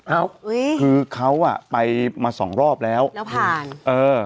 เอ้าอุ้ยคือเขาอ่ะไปมาสองรอบแล้วแล้วผ่านเออ